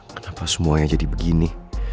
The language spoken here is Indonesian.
kenapa semuanya jadi begini